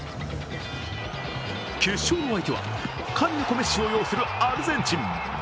決勝の相手は神の子・メッシを擁するアルゼンチン。